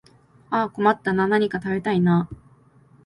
ああ困ったなあ、何か食べたいなあ